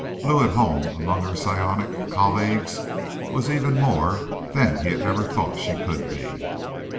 Lou, at home among her psionic colleagues, was even more than he'd ever thought she could be.